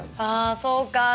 あそうか。